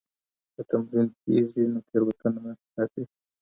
که تمرین کېږي نو تېروتنه نه تکرارېږي.